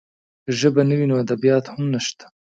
که ژبه نه وي، نو ادبیات هم نشته.